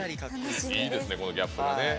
いいですね、ギャップがね。